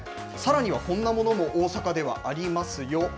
さらには、こんなものも大阪ではありますよ。